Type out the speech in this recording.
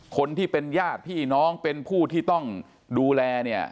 คนที่เป็นญาติพี่น้องเป็นผู้ที่ต้องดูแลเนี่ย